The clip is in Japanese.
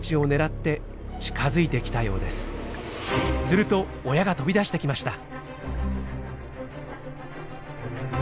すると親が飛び出してきました。